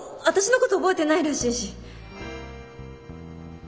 私のこと覚えてないらしいし。